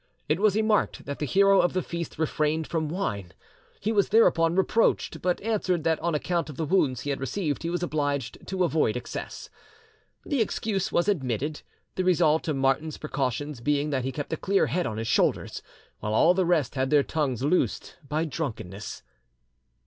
It was remarked that the hero of the feast refrained from wine; he was thereupon reproached, but answered that on account of the wounds he had received he was obliged to avoid excess. The excuse was admitted, the result of Martin's precautions being that he kept a clear head on his shoulders, while all the rest had their tongues loosed by drunkenness.